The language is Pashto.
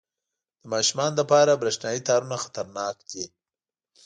• د ماشومانو لپاره برېښنايي تارونه خطرناک دي.